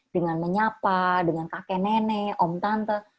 dengan menyapa dengan kakek nenek om tante